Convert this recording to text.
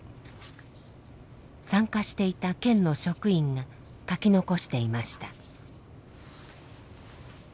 参加していた県の職員が書き残していました。